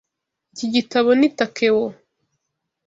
Iki gitabo ni Takeo?